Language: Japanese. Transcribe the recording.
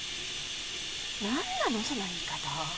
何なのその言い方